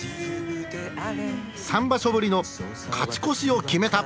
三場所ぶりの勝ち越しを決めた。